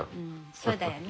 そうだよな。